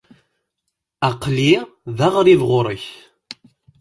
Aql-i d aɣrib ɣur-k.